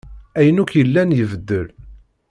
Ayen akk yellan ibeddel.